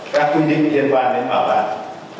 các quy định liên quan đến bảo đảm